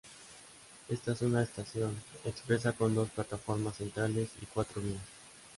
Esta es una estación expresa con dos plataformas centrales y cuatro vías.